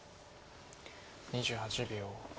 ２８秒。